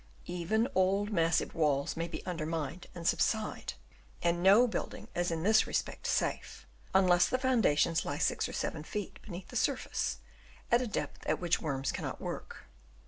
Even old massive walls may be undermined and subside ; and no building is in this respect safe, unless the foundations lie 6 or 7 feet beneath the surface, at a depth at which worms cannot work.